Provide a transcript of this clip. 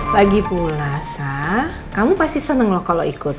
lagipula sa kamu pasti seneng loh kalau ikut